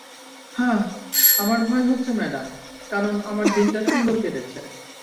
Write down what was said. হাহহ, আমার ভয় হচ্ছে ম্যাডাম, কারণ আমার দিনটা সুন্দর কেটেছে।